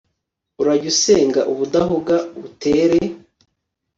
urajye usenga ubudahuga, utere